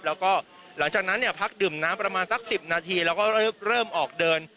แล้วก็หลังจากนั้นเนี่ยพักดื่มน้ำประมาณสัก๑๐นาทีแล้วก็เริ่มออกเดิน